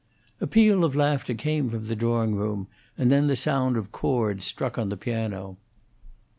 A peal of laughter came from the drawing room, and then the sound of chords struck on the piano.